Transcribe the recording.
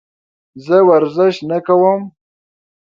زه ورزش نه کوم.